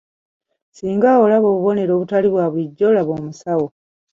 Singa olaba obubonero obutali bwa bulijjo laba omusawo.